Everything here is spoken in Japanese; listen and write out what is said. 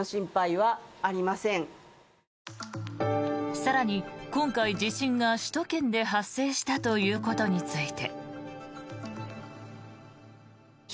更に今回、地震が首都圏で発生したということについて。